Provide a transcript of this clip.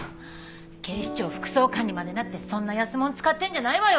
警視庁副総監にまでなってそんな安物使ってるんじゃないわよ！